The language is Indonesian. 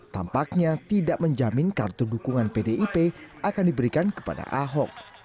tampaknya tidak menjamin kartu dukungan pdip akan diberikan kepada ahok